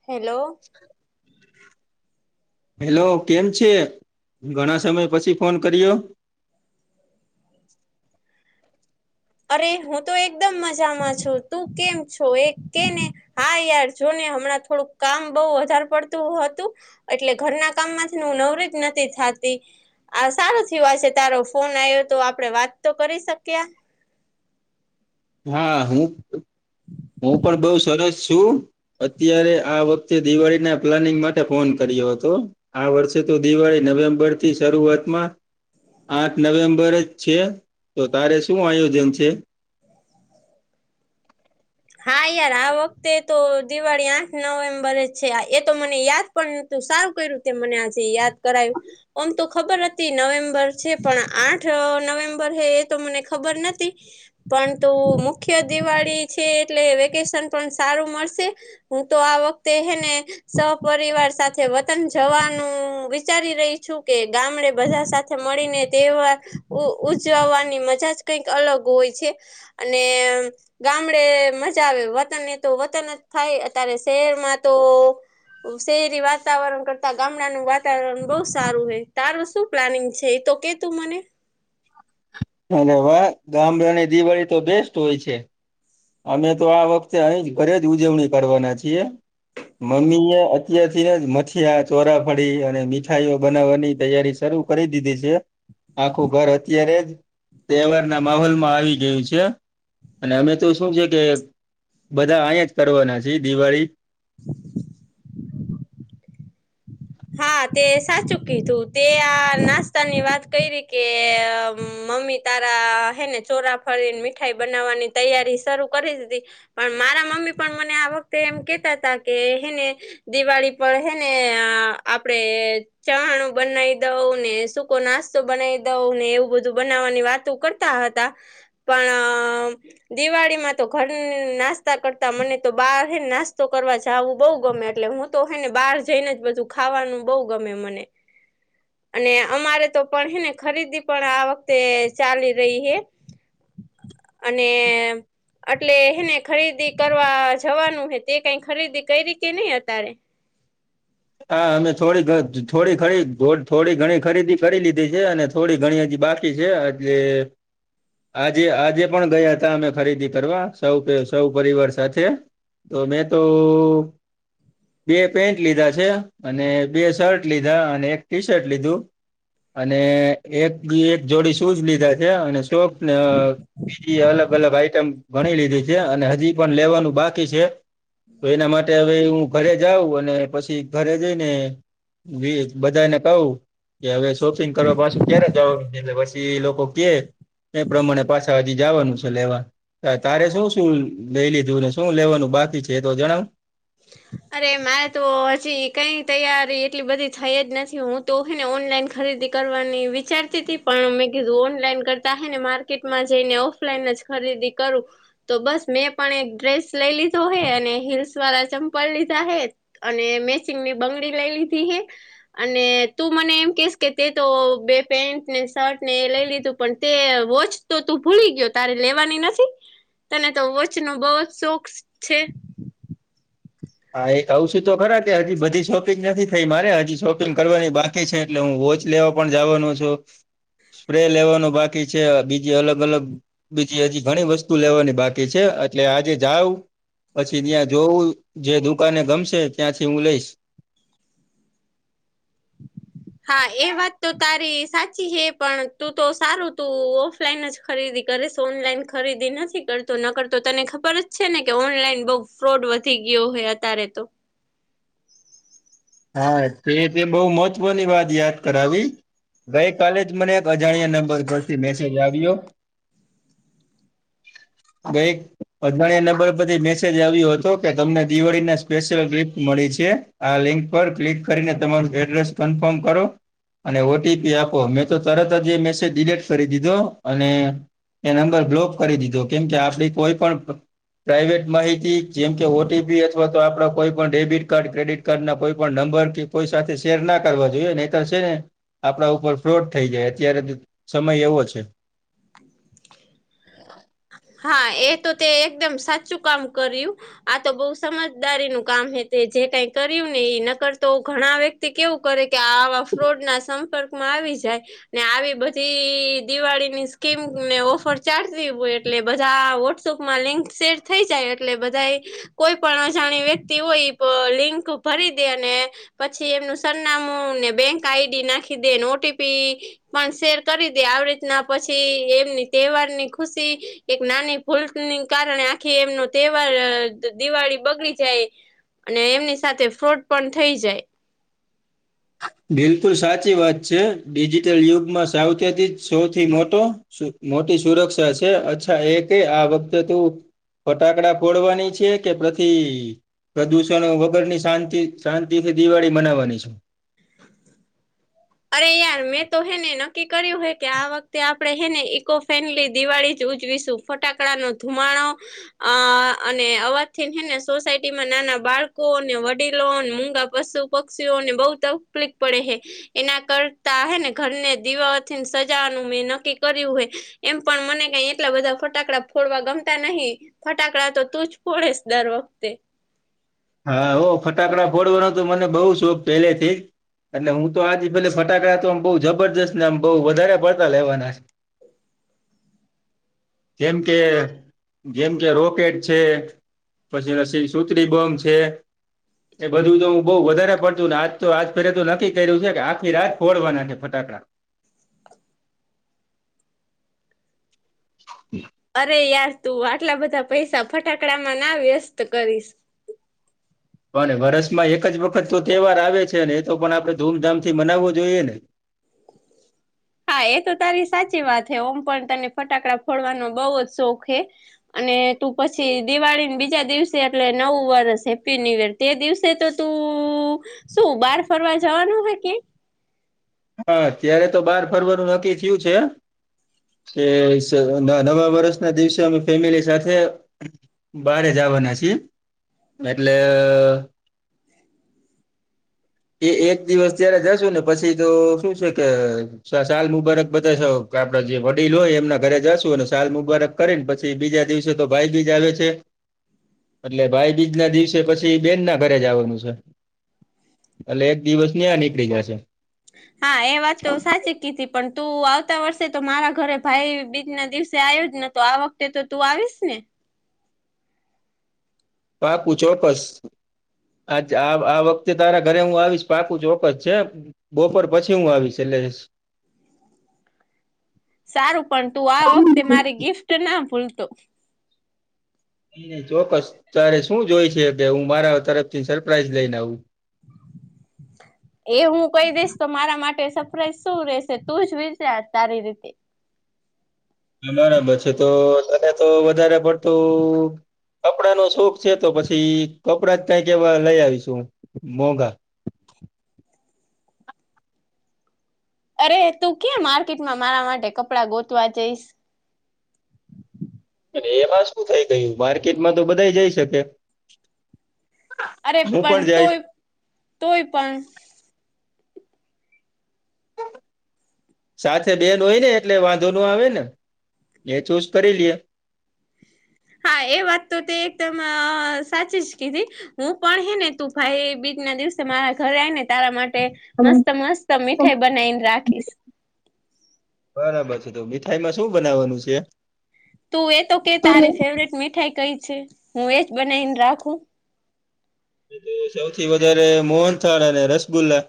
Hello. [unintelligible] Hello, કેમ છે? ઘણા સમય પછી ફોન કર્યો. અરે હું તો એકદમ મજામાં છું. તું કેમ છો? એ કેને હા યાર જોને. હમણાં થોડુંક કામ બઉ વધાર પડતું હતું એટલે ઘરના કામમાંથી હું નવરી જ નતી થાતી. આ સારું થયું, આજે તારો ફોન આવ્યો તો આપડે વાત તો કરી શક્યા. હા હું [unintelligible] હું પણ બઉુ સરસ છું. અત્યારે આ વખતે દિવાળી ના પ્લાનિંગ માટે ફોન કર્યો હતો. આ વર્ષે તો દિવાળી નવેમ્બર થી શરૂઆત માં આઠ નવેમ્બર જ છે. તો તારે શું આયોજન છે? હા યાર આ વખતે તો દિવાળી આઠ નવેમ્બરે છે. એ તો મને યાદ પણ નતું સારું કઈરયુ મને આજે યાદ કરાયું આમ તો ખબર હતી નવેમ્બર છે. પણ આઠ નવેમ્બર હ એ તો મને ખબર નથી. પણં તુ મુખ્ય દિવાળી છે. એટલે વેકેશન પણ સારું મળશે. હું તો આ વખતે હે ને સપિવાર સાથે વતન જવાનું વિચારી રહી છું કે ગામડે બધા સાથે મળીને તહેવાર ઉ ઉજવાની મજા જ કઈક અલગ હોય. છે અને ગામડે મજા આવે વતનને તો વતન જ થાય અત્યારે શહેરમાં તો શહેરી વાતાવરણ કરતા ગામડાનું વાતાવરણ બહ સારું હોય. તારું શું? પ્લાનિંગ છે એ તો કે તું મને? અરે વાહ ગામડાની દિવાળી તો બેસ્ટ હોય છે. અમે તો આ વખતે અહી જ ઘરે જ ઉજવણી કરવાના છીએ. મમ્મી એ અત્યારથી મથિયા, ચોરાફળી અને મીઠાઈઓ બનાવવાની તૈયારી શરૂ કરી દીધી છે. આખું ઘર અત્યારે તહેવારના માહોલમાં આવી ગયું છે. અને અમે તો શું છે ને કે? બધા અહીંયા જ કરવાના છે દિવાળી. હા તે સાચું કીધું, તે આ નાસ્તાની વાત કરી કે મમ્મી તારા હે ને ચોરા ફરીને મીઠાઈ બનાવવાની તૈયારી શરૂ કરી દીધી. પણ મારા મમ્મી પણ મને આ વખતે એમ કેતા હતા કે છે ને દિવાળી પર હે ને આપડે ચવાણું બનાવી દઉં ને સૂકો નાસ્તો બનાવી દઉં ને એવું બધું બનાવવાની વાત કર [unintelligible] હતા પણ દિવાળીમાં તો ઘર નાસ્તા કરતા મને તો, બહાર નાસ્તો કરવા જવું બઉુ ગમે. એટલે હું તો હય ને બહાર જઈને જ બધું ખાવાનું બહુ ગમે મને અને અમારે તો પણ હે ને ખરીદી પણ આ વખતે ચાલી રહી હે. અને એટલે એને ખરીદી કરવા જવાનું હે તે કઈ ખરીદી કઈ રીતે નઈ અતારે? હા અમે થોડી થોડી ઘણી થોડી ઘણી ખરીદી કરી લીધી છે અને થોડી ઘણી હજી બાકી છે હજી આજે આજે પણ ગયા હતા અમે ખરીદી કરવા સૌ સૌ પરિવાર સાથે. તો મેં તો [unintelligible] બે પેન્ટ લીધા છે છે અને બે શર્ટ લીધા, અને એક ટી શર્ટ લીધું. અને એક એક જોડી શુંજ લીધા છે અને સોકસને બીજી અલગ અલગ આઈટમ ઘણી લીધી છે. અને હજી પણ લેવાનું બાકી છે. તો એના માટે હવે હું ઘરે જાઉં અને પછી ઘરે જઈને જ [inaudible] બધાને કહું કે હવે શોપિંગ કરવા પાછુ ક્યારે જવાનું છે.? એટલે પછી એ લોકો કે એ પ્રમાણે પાછા હજી જવાનું છે લેવા. હા તારે શું શું લઈ લીધું ને શું લેવાનું બાકી છે તો જણાવ? [inaudible] [unintelligible] અરે મારે તો હજી કઈ તૈયારી એટલી બધી થઈ જ નથી હું તો ને ઓનલાઈન ખરીદી કરવાની વિચારતી પણ મેં કીધું ઓનલાઈન કરતા હ ને માર્કેટમાં જઈને ઓફ ઓફલાઈન જ ખરીદી કરું. તો બસ મેં પણ એક ડ્રેસ લઈ લીધો હે અને હીલ્સ વાળા ચંપ કલ લીધા હે, અને મેચિંગ ની બંગડી લઈ લીધી હે અને તું મને એમ કેસ કે તે તો બે પેન્ટ ને શર્ટ ને એ લઈ લીધું. પણ તે વોચ તો તું ભૂલી ગયો તારે લેવાની નથી. તને તો વોચ નો બહુ જ શોખ છે. હા એ કાવ શું તો ખરા કે હજી બધી શોપિંગ નથી થઈ મારે હજી શોપિંગ કરવાની બા કીછે એટલે હું વોચ લેવા પણ જવાનું છું. સ્પ્રે લેવાનું બાકી છે, બીજી અલગ અલગ બીજી હજી ઘણી વસ્તુ લેવાની બાકી છે એટલે આજે જાઉ પછી ત્યાં જોવું જે દુકાને ગમશે ત્યાંથી હું લઈશ. હા એ વાત તો તારી સાચી હે પણ તું તો સારું તું ઓફલાઈન જ ખરીદી કરેશ ઓનલાઈન ખરીદી નથી કરતો ન કરતો તને ખબર જ છે ને કે ઓનલાઈન બહુ ફ્રોડ વધી ગયો હોય અત્યારે તો હા તે તે બહુ મહત્વની વાત યાદ કરાવી. ગઈ કલે જ મને એક અજાણ્યા નંબર પરથી મેસેજ આવ્યો. [inaudible] [unintelligible] કઈક અજણિયા નંબર પરથી મેસેજ આવ્યો હતો કે તમને દિવાળીના સ્પેશિયલ ગિફ્ટ મળી છે, આ લિંક પર ક્લિક કરીને તમારું એડ્રેસ કન્ફર્મ કરો અને ઓટીપી આપો મેં તો તરત જ એ મેસેજ ડિલીટ કરી દીધો અને એ નંબર બ્લોક કરી દીધો કેમ કે આપડી કોઈ પણ પ્રાઇવેટ માહિતી, જેમ કે ઓટીપી અથવા તો આપડા કોઈ પણ ડેબિટ કાર્ડ, ક્રેડિટ કાર્ડ ના કોઈ પણ નંબર કે કોઈ સાથે શેર ના કરવા જોઈએ નહીં તો છે ને આપણા ઉપર ફ્રોડ થઈ જાય અત્યારે સમય એવો છે. હા એ તો તે એકદમ સાચું કામ કર્યું. આ તો બઉ સમજદારી નું કામ હ તે જે કઈ કર્યું ને એ ન કરતો ઘણા વ તે કેવું કરે કે આવા ફ્રોડ ના સંપર્કમાં આવી જાય. ને આવી બધી દિવાળી ની સ્કીમ ને ઓફર ચાટતી હોય એટલે બધા વોટ્સઅપમાં લિંક શેર થઈ જાય એટલે બધા કોઈ પણ અજાણી વ્યક્તિ હોય લિંક ભરી દે અને પછી એમનું સરનામું ને બેંક આઈડી નાખી દે ઓટીપી પણ શેર કરી દે આવી રીતના પછી એમની તહેવારની ખુશી એક નાની ભૂલની કારણે આખી એમનો તહેવાર દિવાળી બગડી જાય. અને એમની સાથે ફ્રોડ પણ થઈ જાય. બિલકુલ સાચી વાત છે ડિજિટલ યુગમાં સાવચેતી જ સૌથી મોટો મોટી સુરક્ષા છે અચ્છા એ ક આ વખતે તો ફટાકડા ફોડવાની છે કે પછી પ્રદૂષણો વગરની શાંતિ શાંતિ થી દિવાળી મનાવવાની છે. અરે યાર મેં તો હૈ ને નક્કી કર્યું હોય કે આ વખતે આપણે એને ઇકો ફ્રેન્ડલી દિવાળી જ ઉજવીશું ફટાકડા નો ધુમાડો અ અને અવાજ થીને સોસાયટીમાં નાના બાળકો અને વડીલો મુંગા પશુ પક્ષીઓને બહુ તકલિક પડે હૈ એના કરતા હ ને ઘરને દિવાથીને સજાવાનું મેં નક્કી કર્યું હોય એમ પણ મને કઈ એટલા બધા ફટાકડા ફોડવા ગમતા નહી ફટાકડા તો તું જ પડેસ દર વખતે હા હો ફટાકડા ફોડવાનો તો મને બઉુ શોખ પહેલેથી એટલે હું તો આજે ભલે ફટાકડા તો આમ બહુ જબરજસ્ત ને આમ બહુ વધારે પડતા લેવાના છે. [inaudible] જેમ કે જેમ કે રોકેટ છે. પછીસી સુૂત્રી બોમ્બ છે એ બધું તો હું બહુ વધારે પડતુંને આજ તો આજ ફે તો નક્કી કર્યું છે કે આખી રાત ફોડવાના છે ફટાકડા હમૂઊુૂ અરે યાર તું આટલા બધા પૈસા ફટાકડામાં ના વ્યસ્ત કરીશ ને વરષમાં એક જ વખત તો તહેવાર આવે છે ને એ તો પણ આપડણે ધૂમધામ થી મનાવવો જોઈએ ને હા એ તો તારી સાચી વાત હ ઓમ પણ તને ફટાકડા ફોડવાનો બહુ જ શોખ હ અને તું પછી દિવાળીને બીજા દિવસે એટલે નવું વરષ હેપી ન્યૂ ર તે દિવસે તો તું શું બાર ફરવા જવાનું હોય કે હાત્યારે તો બાર ફરવરી નક્કી થયું છે એ નવા વર્ષના દિવસે અમે ફેમિલી સાથે બારે જવાના છીએ એટલે એ એક દિવસ ત્યારે જશુ ને પછી તો શું છે કે સાલ મુબારક બધા આપડા જે વડીલો હોય એમના ઘરે જશું અનેને સાાલ મુબારક કરી ને પછી બીજા દિવસે તો ભાઈ બીજ આવે છે એટલે ભાઈ બીજ ના દિવસે પછી બેન ના ઘરે જવાનું છે એટલે એક દિવસ ની આ નીકળી જશે હા એ વાત તો સાચી પણ તું આવતા વર્ષે તો મારા ઘરે ભાઈ બીજ દિવસે આવ્યો જ નતો આ વખતે તે તો તું આવીશ ને પા પૂછો પસ અચ્છા આ વખતે તારા ઘરે હું આવીશ પાકું ચોક્કસ છે બપોર પછી હું આવી છેલે જશ સારું પણ તું આ વખતે મારી ગિફ્ટ ના ભૂલતો નઈ નહી ચોક્કસ ત્યારે શું જોય છે કે હું મારા તરફ એ હું કહી દેશ તો મારા માટે સરપ્રાઈઝ શું રહેશે તું જ વિશે તારી રીતે બરાબર છે તો તને તો વધારે પડતું કપડા નો શોખ છે તો પછી કપડા જ કઈ કે એવા લઈ આવીશું મોઘા અરે તું ક્યાં માર્કેટમાં મારા માટે કપડાં ગોતવા જઈશ અને એમાં શું થઈ ગયું માર્કેટમાં તો બધા જઈ શકે અરે હું પણ જઈશ તોય તોય પણ સાથે બે ન હોય ને એટલે વાંધો ન આવે ને એ ચૂઝ કરી લએ હા એ વાત તો તે એકદમ સાચી જ કીધી હું પણ હે ને તું ભાઈ બીજ ના દિવસે મારા ઘરે આવીને તારા માટે મસ્ત મસ્ત મીઠાઈ બનાવીને રાખીશ બરાબર છે તો મીઠાઈમાં શું બનાવવાનું છે તું એ તો કે તારી ફેવરટ મીઠાઈ કઈ છે હું એજ બનાવીને રાખું તો સૌથી વધારે મોહનથળ અને રસગુલ્લા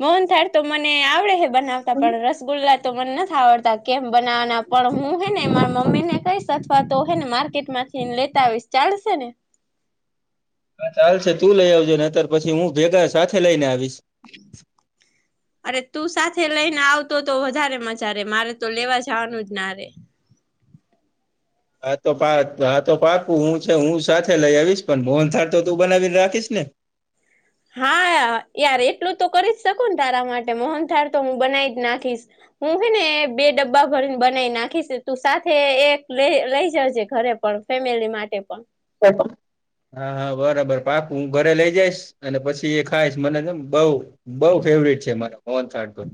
મૌન થાર તો મને આવડે હે બનાવતા પણ રસ ગુલ્લા તો મને નથી આવડતા કેમ બનાવાના પણ હું હેનેરા મમ્મી ને કહીશ અથવા તો હેને માર્કેટમાં ચીન લેતા આવીશ ચાલશે ને હા ચાલ છે તું લઈ આવજો ને અતાર પછી હું ભેગા સાથે લઈને આવીશ અરે તું સાથે લઈને આવતો તો વધારે મજા રે મારે તો લેવા જવાનું જ ના રે હા તો પા હા તો પાકુ હું છે હું સાથે લઈ આવીશ પણ મોનથળ તો તું બનાવીને રાખીશ ને હા યાર એટલું તો કરી જ શકો ને તારા માટે મોહન થાર તો હું બનાવી જ નાખીશ હું હે ને બે ડબ્બા ભરીને બનાવી નાખીશ તું સાથે એક લ લઈ જજે ઘરે પણ ફેમિલી માટે પણ સ હા હા બરાબર પાપ હું ઘરે લઈ જઈશ અને પછી એ ખાઈશ મનેમ બઉ બઉ ફેવરટ છે મારા મોહનકોર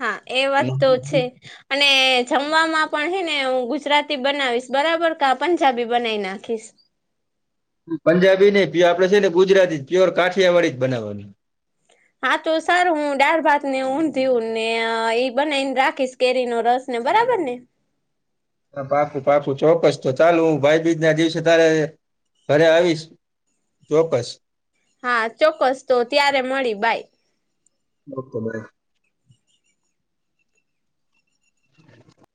હા એ વાત તો છે અને જમવામાં પણ હૈ ને હું ગુજરાતી બનાવીશ બરાબર ક પંજાબી બનાવી નાખીશ પંજાબી નને પ આપે છે ને ગુજરાતી જ પ્યોર કાઠિયા વાડીી જ બનાવવાનું હા, તો સારું હું ડાળ ભાત ને ઊંધી ને એ બનાવી ને રાખીશ. કેરી નો રસ ને બરાબર ને પાકું પાકું ચોક્કસ તો ચાલુ હું ભાઈ બીજ ના દિવસે તારે ઘરે આવીશ. ચોકસ હા, ચોક્કસ તો ત્યારે મળી બાાય. Okay bye. [unintelligible]